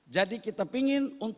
jadi kita ingin